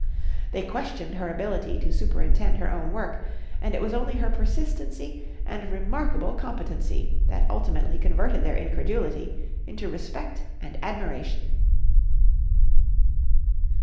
They questioned her ability to superintend her own work, and it was only her persistency and remarkable competency that ultimately converted their incredulity into respect and admiration.